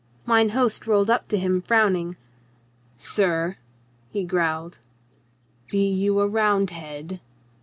Mine host rolled up to him frowning: "Sir," he growled, "be you a Round head?"